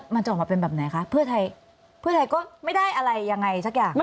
มันจะออกมาเป็นแบบไหนคะเพื่อใครก็ไม่ได้อะไรยังไง